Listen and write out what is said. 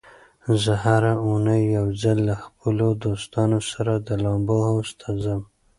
زه هره اونۍ یو ځل له خپلو دوستانو سره د لامبو حوض ته ځم.